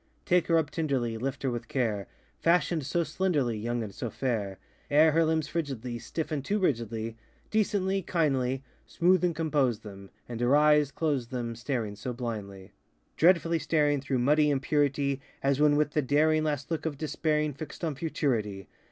Take her up tenderly; Lift her with care; FashionŌĆÖd so slenderly, Young, and so fair! Ere her limbs frigidly Stiffen too rigidly, Decently, ŌĆökindly, ŌĆö Smooth and compose them; And her eyes, close them, Staring so blindly! Dreadfully staring Through muddy impurity, As when with the daring Last look of despairing Fixed on futurity.